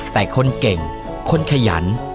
แต่คนเก่งคนขยัน